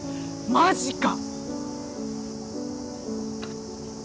マジか！